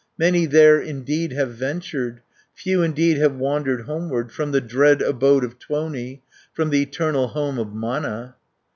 Many there indeed have ventured. Few indeed have wandered homeward; From the dread abode of Tuoni, From the eternal home of Mana."